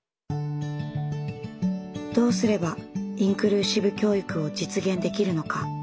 どうすればインクルーシブ教育を実現できるのか。